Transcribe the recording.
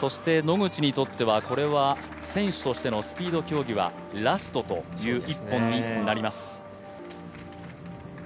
野口にとっては選手としてのスピード競技はラストという１本になります。